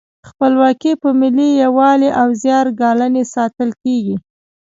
خپلواکي په ملي یووالي او زیار ګالنې ساتل کیږي.